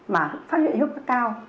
mà phát hiện huyết áp cao